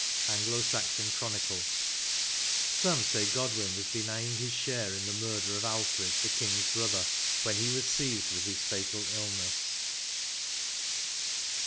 — Anglo Saxon Chronicle, Some say Godwin was denying his share in the murder of Alfred, the King s brother, when he was seized with his fatal illness.